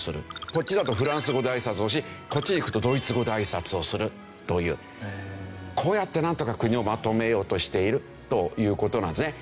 こっちだとフランス語で挨拶をしこっちへ行くとドイツ語で挨拶をするというこうやってなんとか国をまとめようとしているという事なんですね。